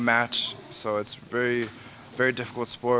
jadi ini adalah perjalanan yang sangat sulit